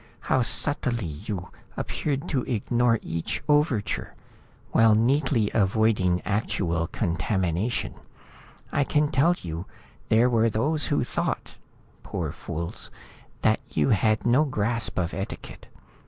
How subtly you appeared to ignore each overture, while neatly avoiding actual contamination. I can tell you, there were those who thought poor fools that you had no grasp of etiquette.